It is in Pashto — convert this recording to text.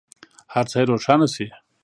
هر څه یې روښانه شي.